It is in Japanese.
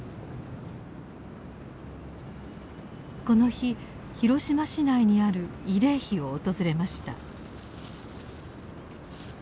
この日広島市内にある慰霊碑を訪れました。